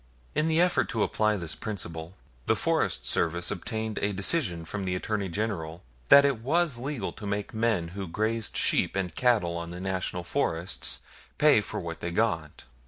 In the effort to apply this principle, the Forest Service obtained a decision from the Attorney General that it was legal to make the men who grazed sheep and cattle on the National Forests pay for what they got.